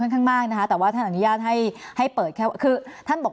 ข้างมากนะคะแต่ว่าท่านอนุญาตให้ให้เปิดแค่คือท่านบอก